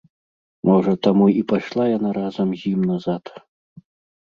Можа, таму і пайшла яна разам з ім назад.